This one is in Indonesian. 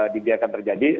tidak akan terjadi